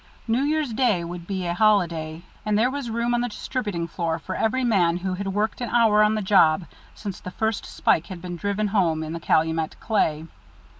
New Year's Day would be a holiday, and there was room on the distributing floor for every man who had worked an hour on the job since the first spile had been driven home in the Calumet clay.